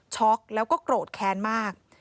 ช็อคแล้วก็โกรธแคนมาก